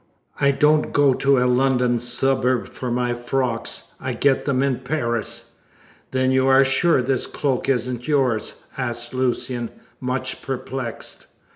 "I don't go to a London suburb for my frocks; I get them in Paris." "Then you are sure this cloak isn't yours?" asked Lucian, much perplexed.